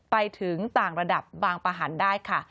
ไปถึงต่างระดับบางประหันได้ค่ะ